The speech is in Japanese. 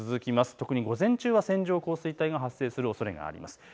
特に午前中は線状降水帯が発生するおそれがあります。